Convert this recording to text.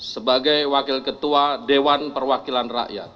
sebagai wakil ketua dewan perwakilan rakyat